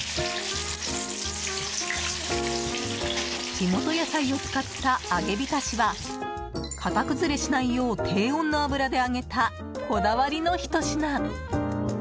地元野菜を使った揚げ浸しは型崩れしないよう低温の油で揚げたこだわりのひと品。